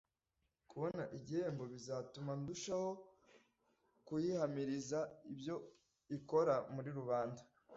kubona igihembo bizatuma ndushaho kuyihamiriza ibyo ikora muri rubanda